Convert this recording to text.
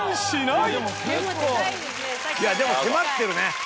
いやでも迫ってるね。